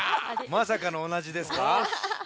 まさかのおなじですか。